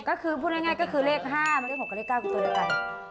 ก็คือพูดง่ายก็คือเลข๕มาเลข๖กับเลข๙กับตัวเดียวกัน